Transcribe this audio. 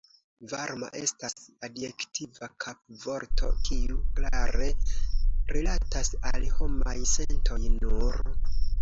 Varma estas adjektiva kapvorto kiu klare rilatas al homaj sentoj nur.